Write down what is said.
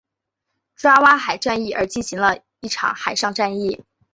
爪哇海战役而进行的一场海上战役。